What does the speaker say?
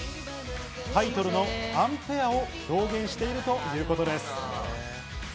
タイトルのアンペアを表現しているということです。